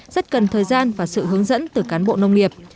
rất cần thời gian và sự hướng dẫn từ cán bộ nông nghiệp